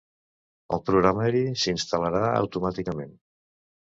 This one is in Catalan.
El programari s"instal·larà automàticament.